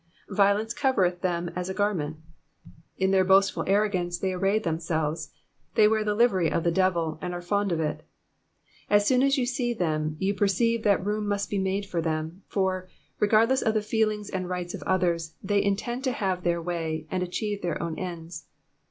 "Violence covereth them as a garment.''^ In their boastful arro gance they array themselves ; they wear the livery of the devil, and are fond of it. As soon as you see them, you perceive that room must be made for them, for, regardless of the feelings and rights of others, they intend to have their way, and achieve their own ends.